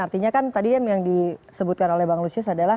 artinya kan tadi kan yang disebutkan oleh bang lusius adalah